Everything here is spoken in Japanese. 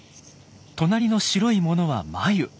隣の白いものは繭。